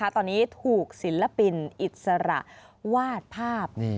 ตอนนี้ถูกศิลปินอิสระวาดภาพ